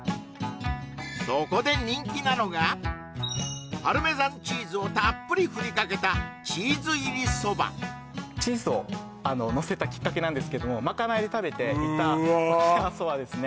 そこでパルメザンチーズをたっぷりふりかけたチーズをのせたきっかけなんですけどもまかないで食べていた沖縄そばですね